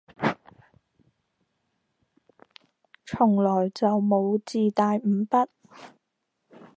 從來就冇自帶五筆